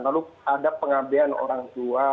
lalu ada pengabdian orang tua